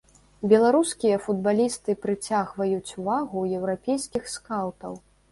Беларускія футбалісты прыцягваюць ўвагу еўрапейскіх скаўтаў.